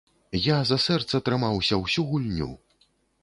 Я за сэрца трымаўся ўсю гульню!